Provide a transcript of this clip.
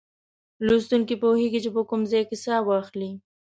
لوستونکی پوهیږي چې په کوم ځای کې سا واخلي.